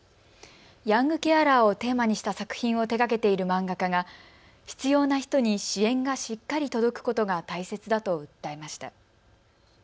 ヤングケアラーをテーマにした作品を手がけている漫画家が必要な人に支援がしっかり届くことが大切だと訴えました。